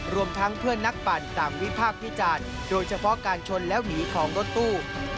รวมทั้งเพื่อนนักปั่นต่างวิพากษ์วิจารณ์โดยเฉพาะการชนแล้วหนีของรถตู้